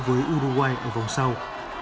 với uruguay ở vòng sau